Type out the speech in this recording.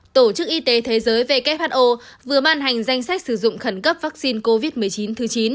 tổ chức y tế thế giới who vừa ban hành danh sách sử dụng khẩn cấp vaccine covid một mươi chín thứ chín